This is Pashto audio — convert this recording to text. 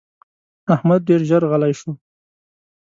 احمد ډېر ژر غلی شو.